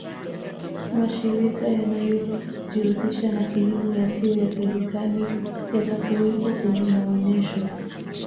mashirika yanayojihusisha na kilimo yasiyo ya serikali yatakuwepo kwenye maonesho